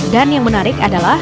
dan yang menarik adalah